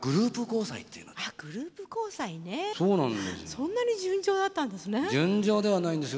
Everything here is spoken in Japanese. そんなに純情だったんですね。